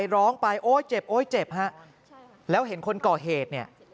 ร้องไปโอ๊ยเจ็บโอ๊ยเจ็บฮะแล้วเห็นคนก่อเหตุเนี่ย